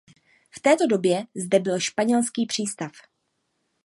V této době zde byl španělský přístav.